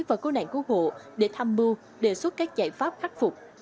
và cứu nạn cứu hộ để tham mưu đề xuất các giải pháp khắc phục